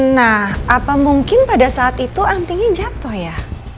nah apa mungkin pada saat itu antinya jatuh ya